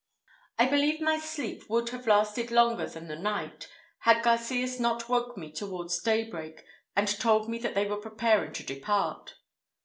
I believe my sleep would have lasted longer than the night, had Garcias not woke me towards daybreak, and told me that they were preparing to depart.